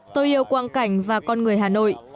tôi yêu quang cảnh và con người hà nội